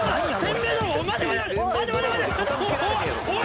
おい！